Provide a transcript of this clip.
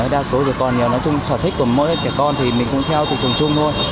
đa số trẻ con nhiều nói chung trò thích của mỗi trẻ con thì mình cũng theo thị trường chung thôi